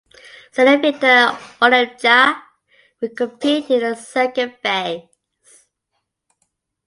Cedevita Olimpija will compete in the second phase.